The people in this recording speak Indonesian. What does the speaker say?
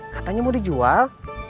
katanya mau dijual